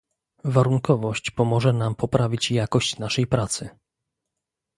Warunkowość pomoże nam poprawić jakość naszej pracy